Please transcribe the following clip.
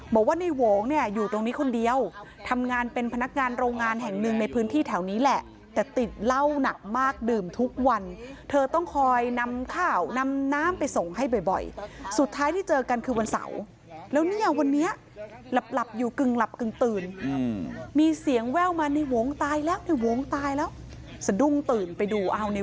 บอกว่าในวงเนี่ยอยู่ตรงนี้คนเดียวทำงานเป็นพนักงานโรงงานแห่งหนึ่งในพื้นที่แถวนี้แหละแต่ติดเหล้าหนักมากดื่มทุกวันเธอต้องคอยนำข้าวนำน้ำไปส่งให้บ่อยสุดท้ายที่เจอกันคือวันเสาร์แล้วเนี่ยวันนี้หลับอยู่กึ่งหลับกึ่งตื่นมีเสียงแว่วมาในวงตายแล้วในวงตายแล้วสะดุ้งตื่นไปดูเอาใน